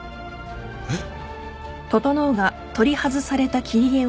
えっ。